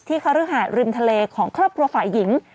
คฤหาดริมทะเลของครอบครัวฝ่ายหญิง